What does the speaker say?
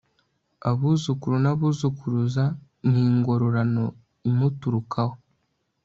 abuzukuru n'abuzukuruza ni ingororano imuturukaho